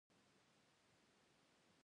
آیا د کاناډا ګوز جاکټونه مشهور نه دي؟